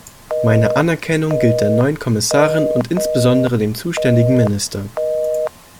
Meine Anerkennung gilt der neuen Kommissarin und insbesondere dem zuständigen Minister.